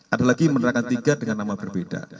ada lagi menerangkan tiga dengan nama berbeda